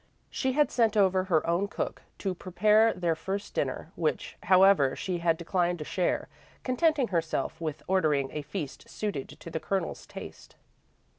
She had sent over her own cook to prepare their first dinner, which, however, she had declined to share, contenting herself with ordering a feast suited to the Colonel's taste.